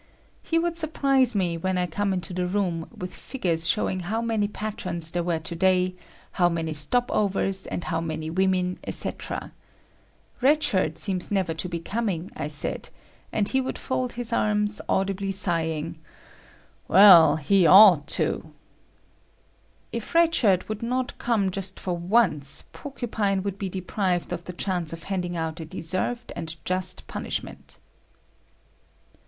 He would surprise me, when I come into the room, with figures showing how many patrons there were to day, how many stop overs and how many women, etc. Red Shirt seems never to be coming, I said, and he would fold his arms, audibly sighing, "Well, he ought to." If Red Shirt would not come just for once, Porcupine would be deprived of the chance of handing out a deserved and just punishment.